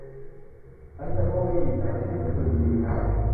หลังจากโอ้เอ้อยู่นาน ในที่สุดก็ดูทีวีได้